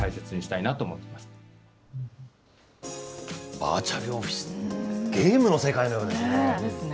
バーチャルオフィス、ゲームの世界のようですね。